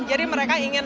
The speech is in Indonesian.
jadi mereka ingin